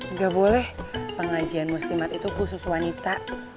nggak boleh pengajian muslimat itu khusus wanita